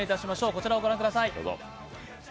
こちらをご覧ください。